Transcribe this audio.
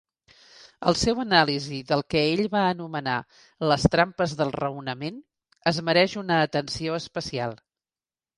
El seu anàlisi del que ell va anomenar "les trampes del raonament" es mereix una atenció especial.